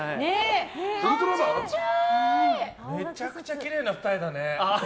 めちゃめちゃきれいな二重だね。